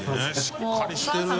しっかりしてるよ。